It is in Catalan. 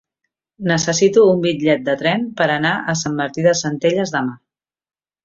Necessito un bitllet de tren per anar a Sant Martí de Centelles demà.